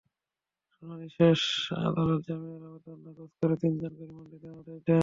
শুনানি শেষে আদালত জামিনের আবেদন নাকচ করে তিনজনকে রিমান্ডে নেওয়ার আদেশ দেন।